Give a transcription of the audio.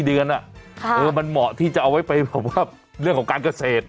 เดือนมันเหมาะที่จะเอาไว้ไปแบบว่าเรื่องของการเกษตร